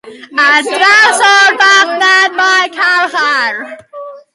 Ar draws o'r farchnad mae carchar.